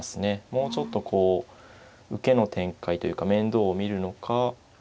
もうちょっとこう受けの展開というか面倒を見るのか。